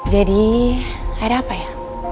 jadi ada apa ya